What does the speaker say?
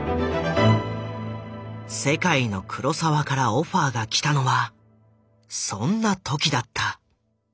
世界のクロサワからオファーがきたのはそんな時だった。